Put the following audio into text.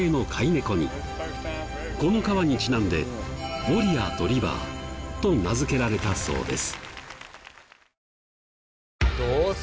この川にちなんでウォリアーとリバーと名付けられたそうです。